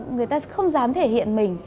người ta không dám thể hiện mình